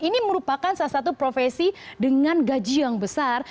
ini merupakan salah satu profesi dengan gaji yang besar